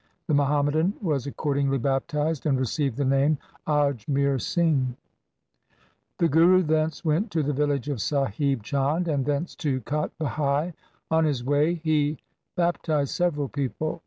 The Muhammadan was accordingly baptized and received the name Ajmer Singh. 1 The Guru thence went to the village of Sahib Chand and thence to Kot Bhai. On his way he baptized several people.